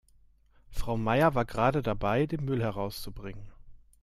Frau Meier war gerade dabei, den Müll herauszubringen.